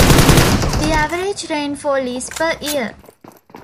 The average rainfall is per year.